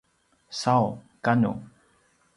sau kanu